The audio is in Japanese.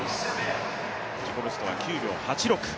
自己ベストは９秒８６。